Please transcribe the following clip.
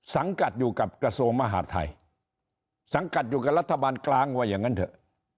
สังกัดอยู่กับกระทรวงมหาดไทยสังกัดอยู่กับรัฐบาลกลางว่าอย่างนั้นเถอะ